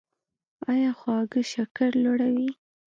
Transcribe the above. ایا خواږه شکر لوړوي؟